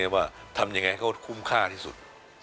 ว่าทำยังไงให้เขาคุ้มค่าที่สุด